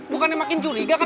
bukannya makin curiga